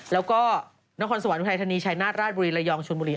แล้วก็นครสวรรคอุทัยธานีชายนาฏราชบุรีระยองชนบุรี